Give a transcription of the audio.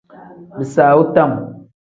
Bisaawu tam.